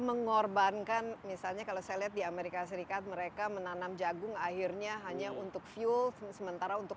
mengorbankan misalnya kalau saya lihat di amerika serikat mereka menanam jagung akhirnya hanya untuk